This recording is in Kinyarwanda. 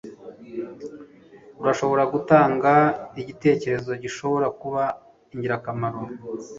Urashobora gutanga igitekerezo gishobora kuba ingirakamaro?